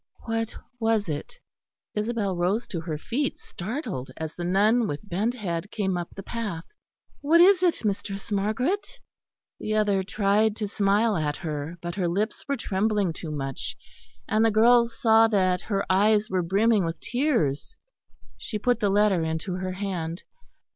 What was it? Isabel rose to her feet, startled, as the nun with bent head came up the path. "What is it, Mistress Margaret?" The other tried to smile at her, but her lips were trembling too much; and the girl saw that her eyes were brimming with tears. She put the letter into her hand.